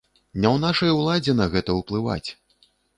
Не ў нашай уладзе на гэта ўплываць!